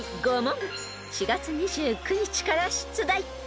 ［４月２９日から出題］